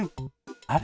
あれ？